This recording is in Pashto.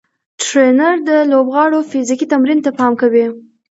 ټرېنر د لوبغاړو فزیکي تمرین ته پام کوي.